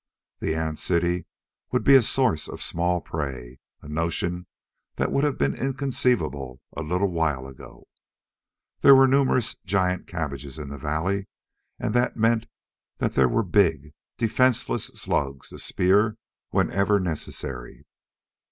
The ant city would be a source of small prey a notion that would have been inconceivable a little while ago. There were numerous giant cabbages in the valley and that meant there were big, defenseless slugs to spear whenever necessary.